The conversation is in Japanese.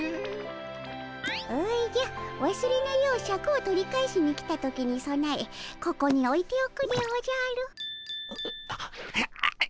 おじゃわすれぬようシャクを取り返しに来た時にそなえここにおいておくでおじゃる。